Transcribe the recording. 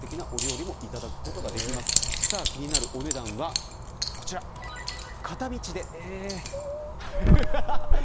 気になるお値段は、こちらです。